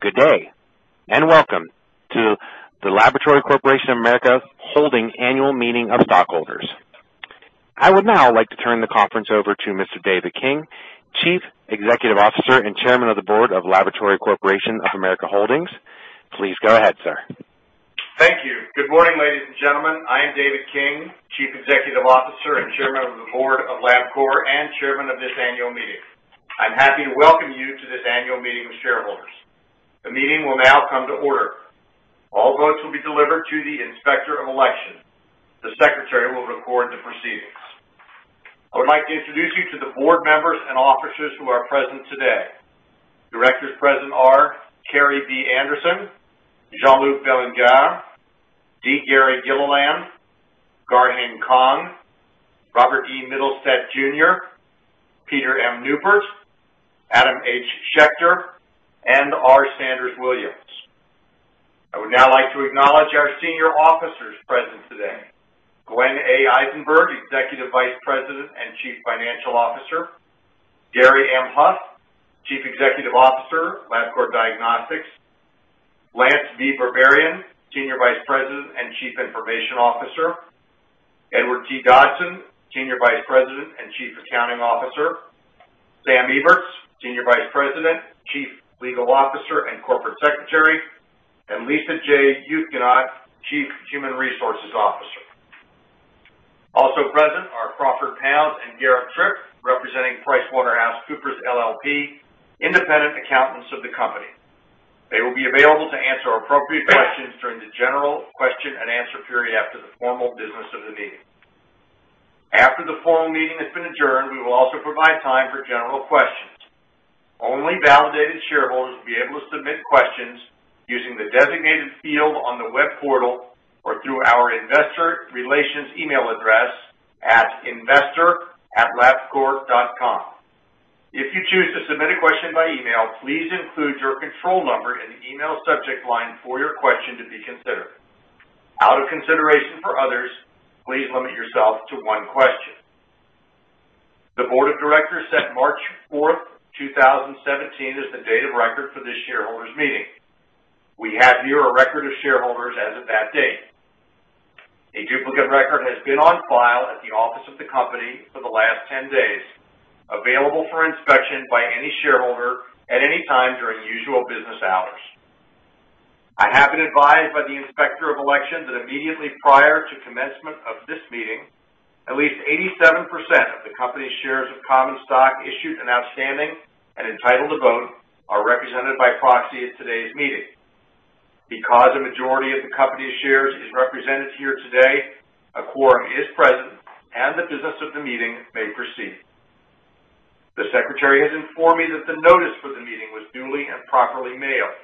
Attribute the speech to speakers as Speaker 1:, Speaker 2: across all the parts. Speaker 1: Good day and welcome to the Laboratory Corporation of America Holdings Annual Meeting of Stockholders. I would now like to turn the conference over to Mr. David King, Chief Executive Officer and Chairman of the Board of Laboratory Corporation of America Holdings. Please go ahead, sir.
Speaker 2: Thank you. Good morning, ladies and gentlemen. I am David King, Chief Executive Officer and Chairman of the Board of Labcorp and Chairman of this Annual Meeting. I'm happy to welcome you to this Annual Meeting of Shareholders. The meeting will now come to order. All votes will be delivered to the Inspector of Elections. The Secretary will record the proceedings. I would like to introduce you to the Board members and Officers who are present today: Directors present are Kerrii B. Anderson, Jean-Luc Bélingard, D. Gary Gilliland, Garheng Kong, Robert E. Mittelstaedt Jr., Peter M. Neupert, Adam H. Schechter, and R. Sanders Williams. I would now like to acknowledge our Senior Officers present today: Glenn A. Eisenberg, Executive Vice President and Chief Financial Officer; Gary M. Huff, Chief Executive Officer, Labcorp Diagnostics; Lance V. Berberian, Senior Vice President and Chief Information Officer; Edward T. Dodson, Senior Vice President and Chief Accounting Officer; Sam Eberts, Senior Vice President, Chief Legal Officer and Corporate Secretary; and Lisa J. Uthgenannt, Chief Human Resources Officer. Also present are Crawford Pounds and Garrett Tripp, representing PricewaterhouseCoopers LLP, independent accountants of the company. They will be available to answer appropriate questions during the general question and answer period after the formal business of the meeting. After the formal meeting has been adjourned, we will also provide time for general questions. Only validated shareholders will be able to submit questions using the designated field on the web portal or through our Investor Relations email address at investor@labcorp.com. If you choose to submit a question by email, please include your control number in the email subject line for your question to be considered. Out of consideration for others, please limit yourself to one question. The Board of Directors set March 4th, 2017, as the date of record for this shareholders' meeting. We have here a record of shareholders as of that date. A duplicate record has been on file at the office of the company for the last 10 days, available for inspection by any shareholder at any time during usual business hours. I have been advised by the Inspector of Elections that immediately prior to commencement of this meeting, at least 87% of the company's shares of common stock issued and outstanding and entitled to vote are represented by proxy at today's meeting. Because a majority of the company's shares is represented here today, a quorum is present and the business of the meeting may proceed. The Secretary has informed me that the notice for the meeting was duly and properly mailed.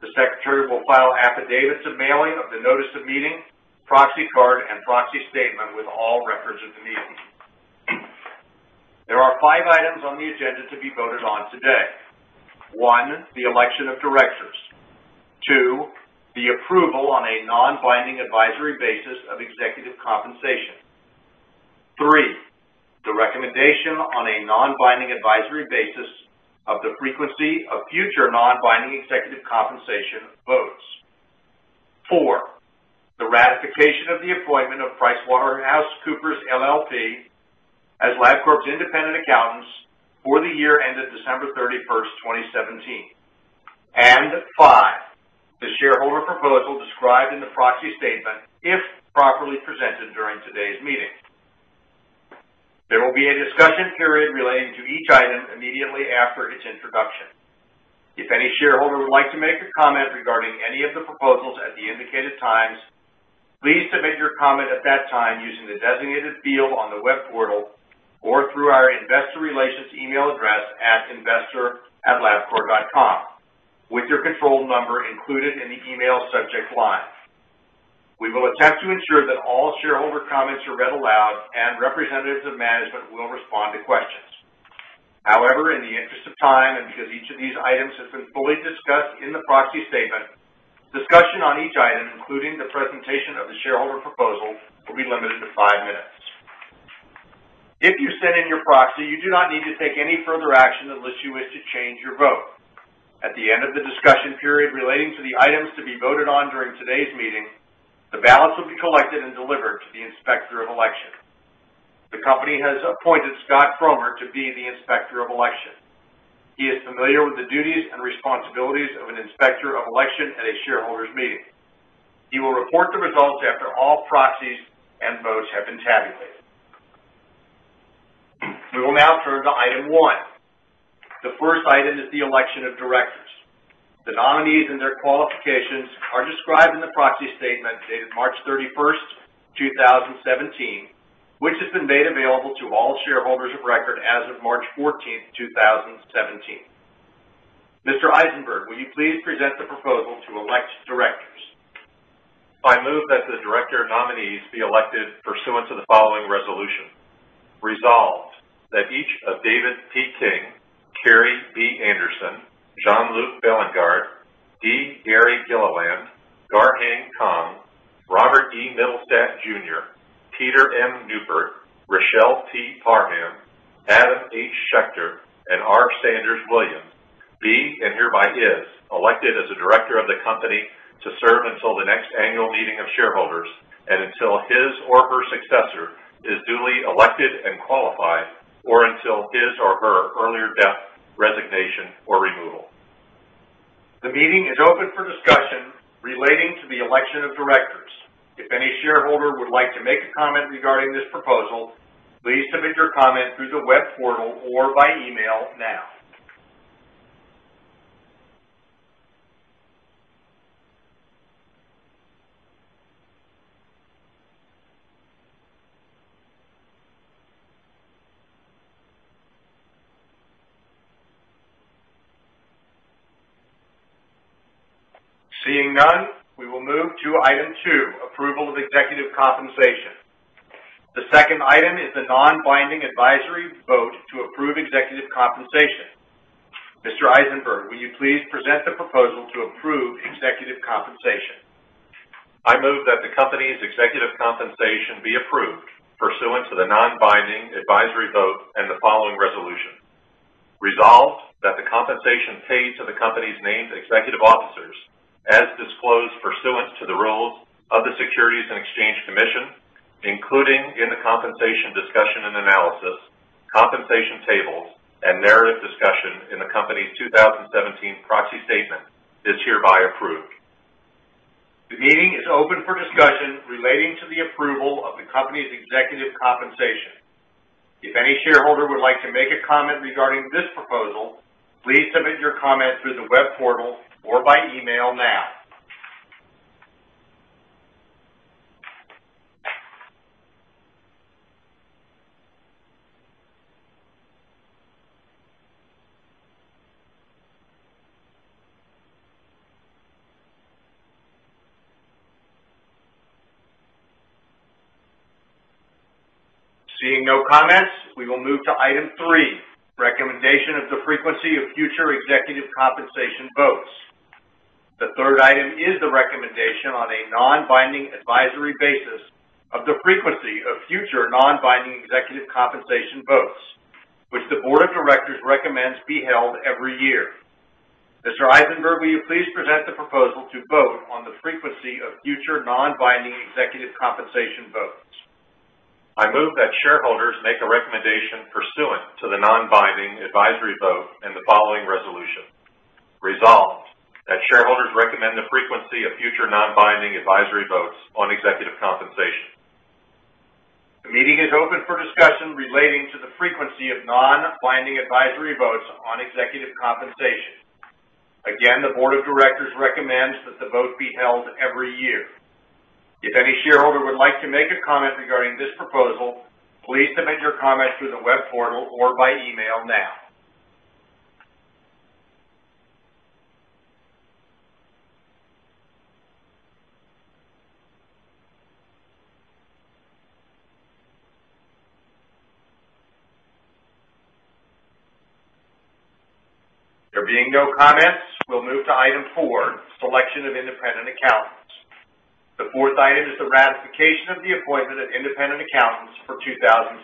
Speaker 2: The Secretary will file affidavits of mailing of the notice of meeting, proxy card, and proxy statement with all records of the meeting. There are five items on the agenda to be voted on today: one, the election of Directors; two, the approval on a non-binding advisory basis of executive compensation; three, the recommendation on a non-binding advisory basis of the frequency of future non-binding executive compensation votes; four, the ratification of the appointment of PricewaterhouseCoopers LLP as Labcorp's independent accountants for the year ended December 31st, 2017; and five, the shareholder proposal described in the proxy statement if properly presented during today's meeting. There will be a discussion period relating to each item immediately after its introduction. If any shareholder would like to make a comment regarding any of the proposals at the indicated times, please submit your comment at that time using the designated field on the web portal or through our Investor Relations email address at Investor@labcorp.com with your control number included in the email subject line. We will attempt to ensure that all shareholder comments are read aloud and representatives of management will respond to questions. However, in the interest of time and because each of these items has been fully discussed in the proxy statement, discussion on each item, including the presentation of the shareholder proposal, will be limited to five minutes. If you send in your proxy, you do not need to take any further action unless you wish to change your vote. At the end of the discussion period relating to the items to be voted on during today's meeting, the ballots will be collected and delivered to the Inspector of Elections. The company has appointed Scott Cromer to be the Inspector of Elections. He is familiar with the duties and responsibilities of an Inspector of Elections at a shareholders' meeting. He will report the results after all proxies and votes have been tabulated. We will now turn to item one. The first item is the election of Directors. The nominees and their qualifications are described in the proxy statement dated March 31st, 2017, which has been made available to all shareholders of record as of March 14th, 2017. Mr. Eisenberg, will you please present the proposal to elect directors?
Speaker 3: I move that the director nominees be elected pursuant to the following resolution: resolved that each of David P. King, Kerrii B. Anderson, Jean-Luc Bélingard, D. Gary Gilliland, Garheng Kong, Robert E. Mittelstaedt, Jr., Peter M. Neupert, Richelle P. Parham, Adam H. Schechter, and R. Sanders Williams, be and hereby is elected as a Director of the company to serve until the next Annual Meeting of Shareholders and until his or her successor is duly elected and qualified, or until his or her earlier death, resignation, or removal.
Speaker 2: The meeting is open for discussion relating to the election of Directors. If any shareholder would like to make a comment regarding this proposal, please submit your comment through the web portal or by email now. Seeing none, we will move to item two, approval of executive compensation. The second item is the non-binding advisory vote to approve executive compensation. Mr. Eisenberg, will you please present the proposal to approve executive compensation?
Speaker 3: I move that the company's executive compensation be approved pursuant to the non-binding advisory vote and the following resolution: Resolved that the compensation paid to the company's named Executive Officers, as disclosed pursuant to the rules of the Securities and Exchange Commission, including in the compensation discussion and analysis, compensation tables, and narrative discussion in the company's 2017 proxy statement, is hereby approved.
Speaker 2: The meeting is open for discussion relating to the approval of the company's executive compensation. If any shareholder would like to make a comment regarding this proposal, please submit your comment through the web portal or by email now. Seeing no comments, we will move to item three, recommendation of the frequency of future executive compensation votes. The third item is the recommendation on a non-binding advisory basis of the frequency of future non-binding executive compensation votes, which the Board of Directors recommends be held every year. Mr. Eisenberg, will you please present the proposal to vote on the frequency of future non-binding executive compensation votes?
Speaker 3: I move that shareholders make a recommendation pursuant to the non-binding advisory vote and the following resolution: resolved that shareholders recommend the frequency of future non-binding advisory votes on executive compensation.
Speaker 2: The meeting is open for discussion relating to the frequency of non-binding advisory votes on executive compensation. Again, the Board of Directors recommends that the vote be held every year. If any shareholder would like to make a comment regarding this proposal, please submit your comment through the web portal or by email now. There being no comments, we'll move to item four, selection of independent accountants. The fourth item is the ratification of the appointment of independent accountants for 2017.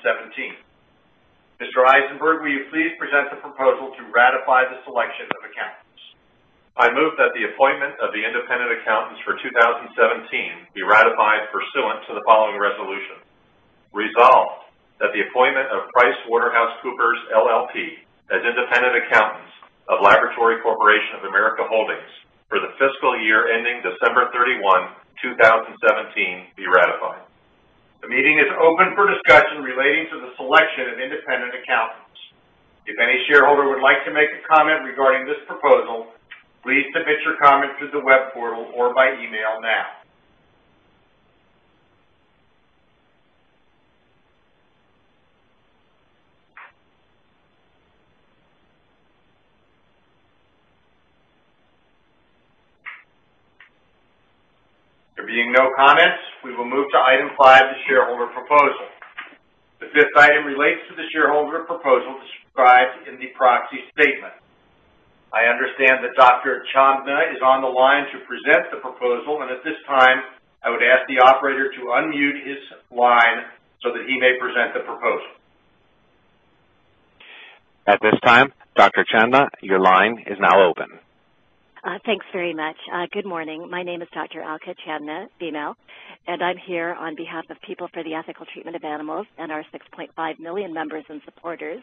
Speaker 2: Mr. Eisenberg, will you please present the proposal to ratify the selection of accountants?
Speaker 3: I move that the appointment of the independent accountants for 2017 be ratified pursuant to the following resolution: Resolved that the appointment of PricewaterhouseCoopers LLP as independent accountants of Laboratory Corporation of America Holdings for the fiscal year ending December 31, 2017, be ratified.
Speaker 2: The meeting is open for discussion relating to the selection of independent accountants. If any shareholder would like to make a comment regarding this proposal, please submit your comment through the web portal or by email now. There being no comments, we will move to item five, the shareholder proposal. The fifth item relates to the shareholder proposal described in the proxy statement. I understand that Dr. Chandna is on the line to present the proposal, and at this time, I would ask the operator to unmute his line so that he may present the proposal.
Speaker 1: At this time, Dr. Chandna, your line is now open.
Speaker 4: Thanks very much. Good morning. My name is Dr. Alka Chandna, female, and I'm here on behalf of People for the Ethical Treatment of Animals and our 6.5 million members and supporters.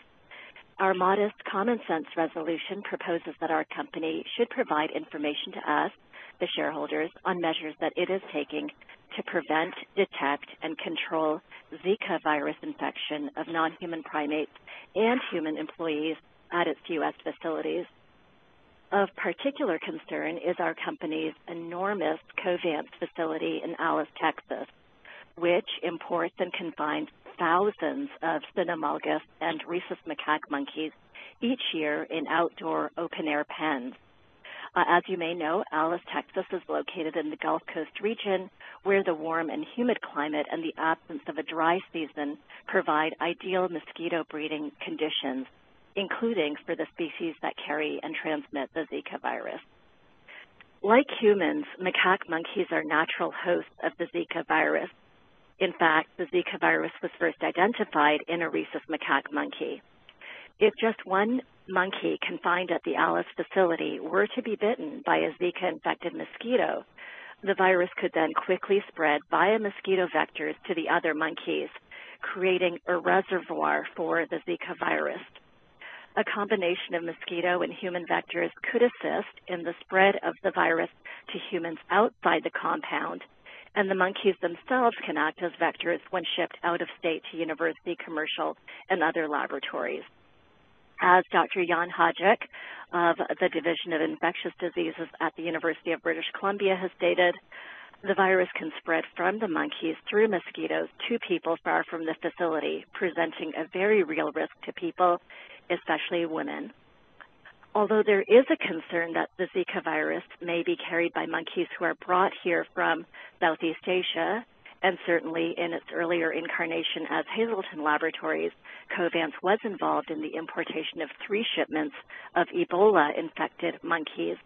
Speaker 4: Our modest common sense resolution proposes that our company should provide information to us, the shareholders, on measures that it is taking to prevent, detect, and control Zika virus infection of non-human primates and human employees at its U.S. facilities. Of particular concern is our company's enormous Covance facility in Alice, Texas, which imports and confines thousands of Cynomolgus and Rhesus macaque monkeys each year in outdoor open-air pens. As you may know, Alice, Texas, is located in the Gulf Coast region, where the warm and humid climate and the absence of a dry season provide ideal mosquito breeding conditions, including for the species that carry and transmit the Zika virus. Like humans, macaque monkeys are natural hosts of the Zika virus. In fact, the Zika virus was first identified in a Rhesus macaque monkey. If just one monkey confined at the Alice facility were to be bitten by a Zika-infected mosquito, the virus could then quickly spread via mosquito vectors to the other monkeys, creating a reservoir for the Zika virus. A combination of mosquito and human vectors could assist in the spread of the virus to humans outside the compound, and the monkeys themselves can act as vectors when shipped out of state to university commercial and other laboratories. As Dr. Jan Hajek of the Division of Infectious Diseases at the University of British Columbia has stated, the virus can spread from the monkeys through mosquitoes to people far from the facility, presenting a very real risk to people, especially women. Although there is a concern that the Zika virus may be carried by monkeys who are brought here from Southeast Asia, and certainly in its earlier incarnation at Hazleton Laboratories, Covance was involved in the importation of three shipments of Ebola-infected monkeys.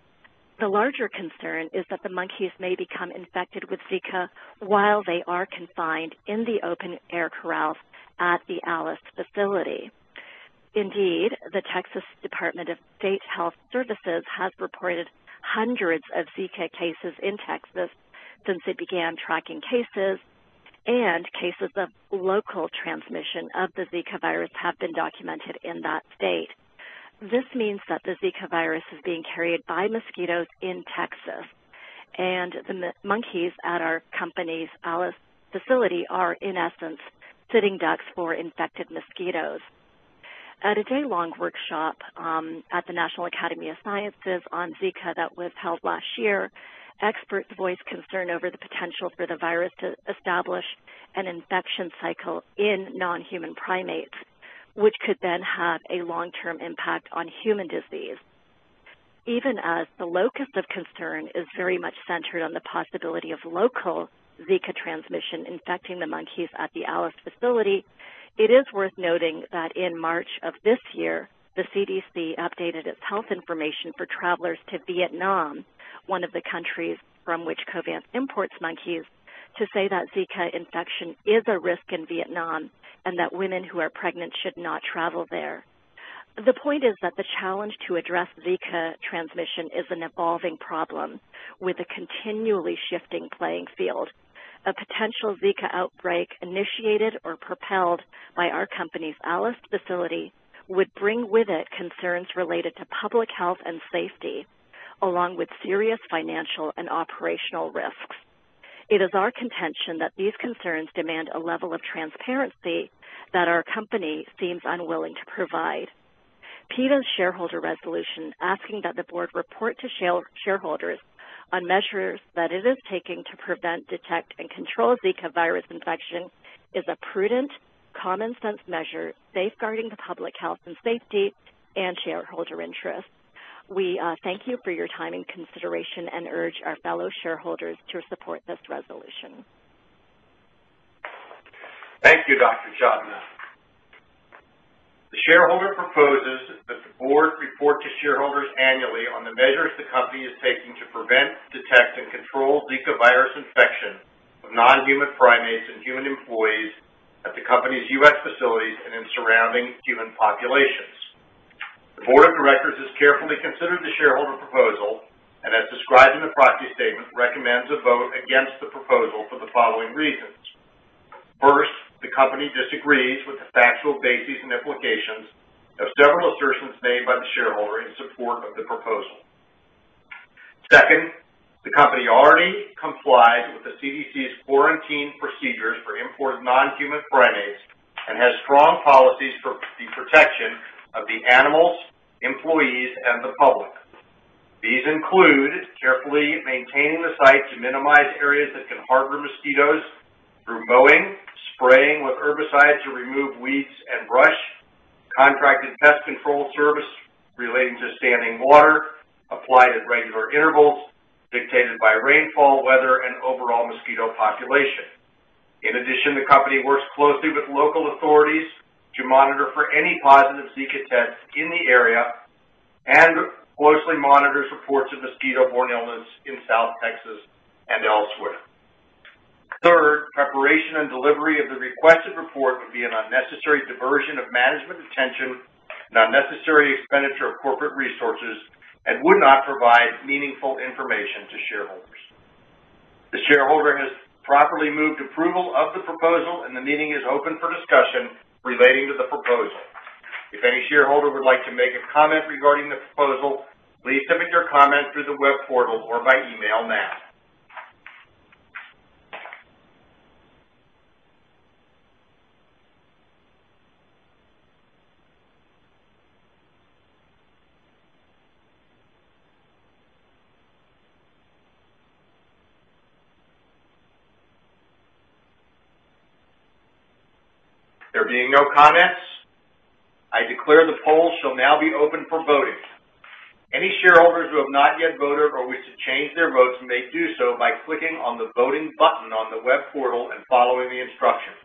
Speaker 4: The larger concern is that the monkeys may become infected with Zika while they are confined in the open-air corrals at the Alice facility. Indeed, the Texas Department of State Health Services has reported hundreds of Zika cases in Texas since it began tracking cases, and cases of local transmission of the Zika virus have been documented in that state. This means that the Zika virus is being carried by mosquitoes in Texas, and the monkeys at our company's Alice facility are, in essence, sitting ducks for infected mosquitoes. At a day-long workshop at the National Academy of Sciences on Zika that was held last year, experts voiced concern over the potential for the virus to establish an infection cycle in non-human primates, which could then have a long-term impact on human disease. Even as the locus of concern is very much centered on the possibility of local Zika transmission infecting the monkeys at the Alice facility, it is worth noting that in March of this year, the CDC updated its health information for travelers to Vietnam, one of the countries from which Covance imports monkeys, to say that Zika infection is a risk in Vietnam and that women who are pregnant should not travel there. The point is that the challenge to address Zika transmission is an evolving problem with a continually shifting playing field. A potential Zika outbreak initiated or propelled by our company's Alice facility would bring with it concerns related to public health and safety, along with serious financial and operational risks. It is our contention that these concerns demand a level of transparency that our company seems unwilling to provide. PETA's shareholder resolution asking that the board report to shareholders on measures that it is taking to prevent, detect, and control Zika virus infection is a prudent, common sense measure safeguarding the public health and safety and shareholder interests. We thank you for your time and consideration and urge our fellow shareholders to support this resolution.
Speaker 2: Thank you, Dr. Chandna. The shareholder proposes that the board report to shareholders annually on the measures the company is taking to prevent, detect, and control Zika virus infection of non-human primates and human employees at the company's U.S. facilities and in surrounding human populations. The Board of Directors has carefully considered the shareholder proposal and, as described in the proxy statement, recommends a vote against the proposal for the following reasons. First, the company disagrees with the factual bases and implications of several assertions made by the shareholder in support of the proposal. Second, the company already complies with the CDC's quarantine procedures for imported non-human primates and has strong policies for the protection of the animals, employees, and the public. These include carefully maintaining the site to minimize areas that can harbor mosquitoes through mowing, spraying with herbicides to remove weeds and brush, contracted pest control service relating to standing water applied at regular intervals dictated by rainfall, weather, and overall mosquito population. In addition, the company works closely with local authorities to monitor for any positive Zika tests in the area and closely monitors reports of mosquito-borne illness in South Texas and elsewhere. Third, preparation and delivery of the requested report would be an unnecessary diversion of management attention, an unnecessary expenditure of corporate resources, and would not provide meaningful information to shareholders. The shareholder has properly moved approval of the proposal, and the meeting is open for discussion relating to the proposal. If any shareholder would like to make a comment regarding the proposal, please submit your comment through the web portal or by email now. There being no comments, I declare the polls shall now be open for voting. Any shareholders who have not yet voted or wish to change their votes may do so by clicking on the voting button on the web portal and following the instructions.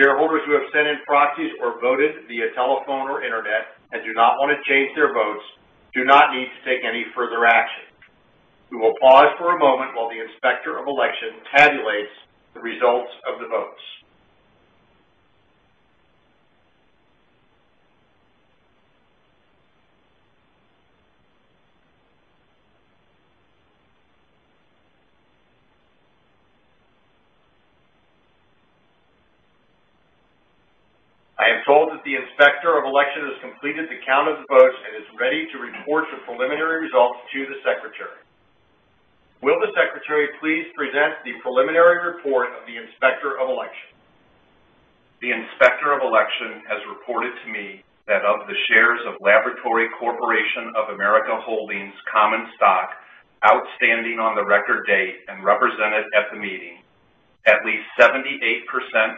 Speaker 2: Shareholders who have sent in proxies or voted via telephone or internet and do not want to change their votes do not need to take any further action. We will pause for a moment while the Inspector of Elections tabulates the results of the votes. I am told that the Inspector of Elections has completed the count of the votes and is ready to report the preliminary results to the Secretary. Will the Secretary please present the preliminary report of the Inspector of Elections?
Speaker 5: The Inspector of Elections has reported to me that of the shares of Laboratory Corporation of America Holdings Common Stock outstanding on the record date and represented at the meeting, at least 78%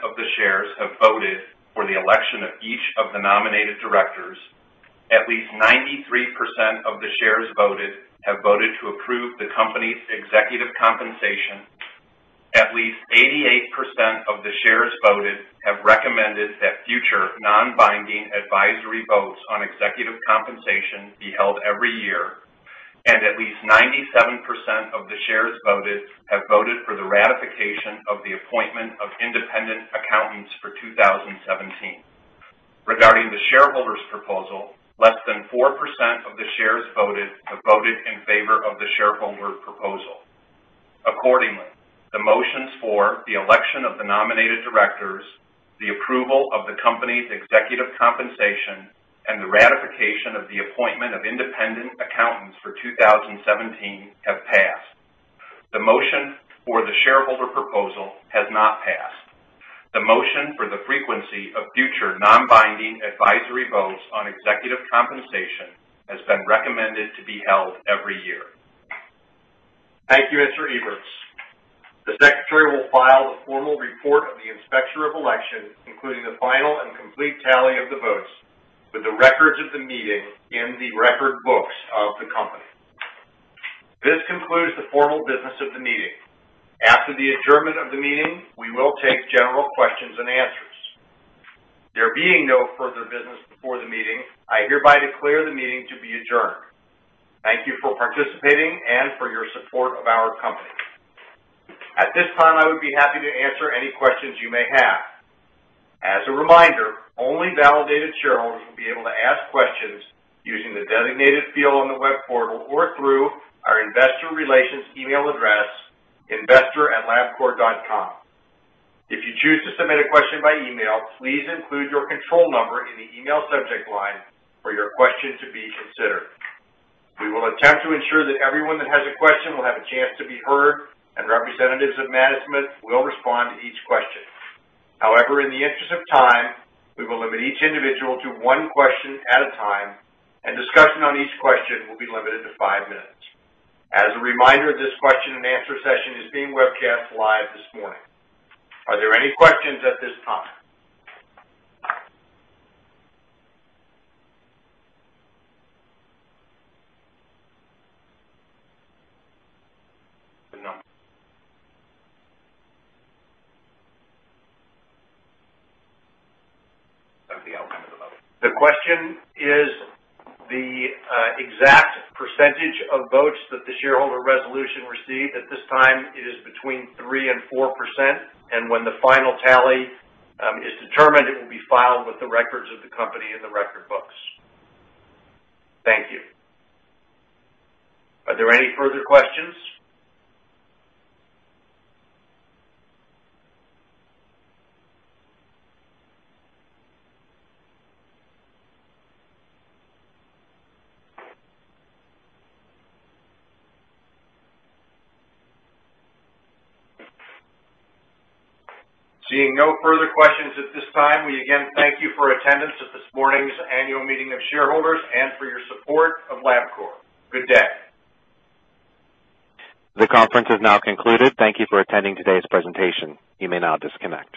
Speaker 5: of the shares have voted for the election of each of the nominated Directors. At least 93% of the shares voted have voted to approve the company's executive compensation. At least 88% of the shares voted have recommended that future non-binding advisory votes on executive compensation be held every year, and at least 97% of the shares voted have voted for the ratification of the appointment of independent accountants for 2017. Regarding the shareholders' proposal, less than 4% of the shares voted have voted in favor of the shareholder proposal. Accordingly, the motions for the election of the nominated Directors, the approval of the company's executive compensation, and the ratification of the appointment of independent accountants for 2017 have passed. The motion for the shareholder proposal has not passed. The motion for the frequency of future non-binding advisory votes on executive compensation has been recommended to be held every year.
Speaker 2: Thank you, Mr. Eberts. The Secretary will file the formal report of the Inspector of Elections, including the final and complete tally of the votes, with the records of the meeting in the record books of the company. This concludes the formal business of the meeting. After the adjournment of the meeting, we will take general questions and answers. There being no further business before the meeting, I hereby declare the meeting to be adjourned. Thank you for participating and for your support of our company. At this time, I would be happy to answer any questions you may have. As a reminder, only validated shareholders will be able to ask questions using the designated field on the web portal or through our Investor Relations email address, Investor@labcorp.com. If you choose to submit a question by email, please include your control number in the email subject line for your question to be considered. We will attempt to ensure that everyone that has a question will have a chance to be heard, and representatives of management will respond to each question. However, in the interest of time, we will limit each individual to one question at a time, and discussion on each question will be limited to five minutes. As a reminder, this question and answer session is being webcast live this morning. Are there any questions at this time? The question is the exact percentage of votes that the shareholder resolution received. At this time, it is between 3% and 4%, and when the final tally is determined, it will be filed with the records of the company in the record books. Thank you. Are there any further questions? Seeing no further questions at this time, we again thank you for attendance at this morning's annual meeting of shareholders and for your support of Labcorp. Good day.
Speaker 1: The conference is now concluded. Thank you for attending today's presentation. You may now disconnect.